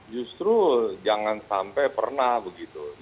justru jangan sampai pernah begitu